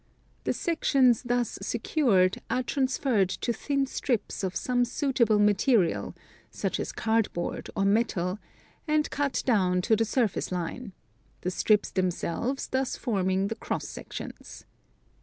The sections thus secured are transferred to thin strips of some suitable material, such as cardboard or metal, and cut down to the surface line, — the strips themselves thus forming the cross sections.